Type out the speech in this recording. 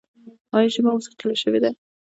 ایا ژبه مو ثقیله شوې ده؟